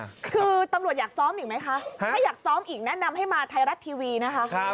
คือตำรวจอยากซ้อมอีกไหมคะถ้าอยากซ้อมอีกแนะนำให้มาไทยรัฐทีวีนะคะ